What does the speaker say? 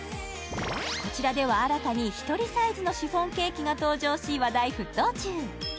こちらでは新たに１人サイズのシフォンケーキが登場し話題沸騰中